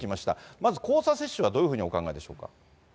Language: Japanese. まず交差接種はどういうふうにお考えでしょうか。